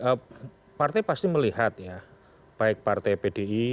tapi kalau menurut mas eko bagaimana kemudian melepaskan diri dari bayang bayangnya pak jokowi